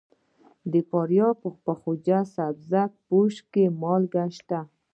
د فاریاب په خواجه سبز پوش کې مالګه شته.